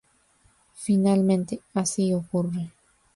Finalmente, así ocurre.